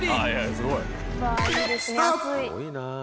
すごいな。